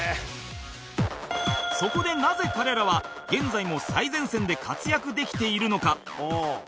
そこでなぜ彼らは現在も最前線で活躍できているのか